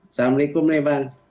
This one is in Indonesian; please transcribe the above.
assalamualaikum nih bang